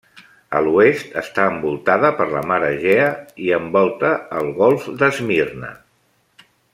A l'oest està envoltada per la Mar Egea, i envolta el Golf d'Esmirna.